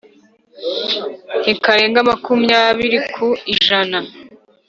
Ntikarenga makumyabiri ku ijana